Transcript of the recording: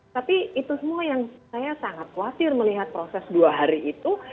tapi itu semua yang saya sangat khawatir melihat proses dua hari itu